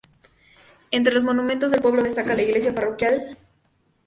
Entre los monumentos del pueblo destaca la "Iglesia Parroquial de Ntra.